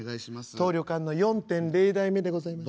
「当旅館の４．０代目でございます」。